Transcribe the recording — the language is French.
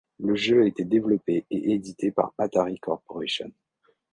Le jeu a été développé et édité par Atari Corporation.